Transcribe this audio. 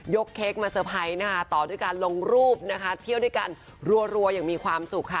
ยกเค้กมาเซอร์ไพรต่อด้วยการลงรูปเที่ยวด้วยการรัวอย่างมีความสุขค่ะ